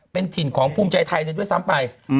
เป็นถิ่นของภูมิใจไทยเลยด้วยซ้ำไป